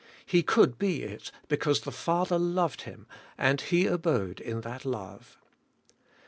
He could be it because the Father loved Him, and He abode in that love.